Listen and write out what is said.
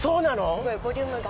すごいボリュームが。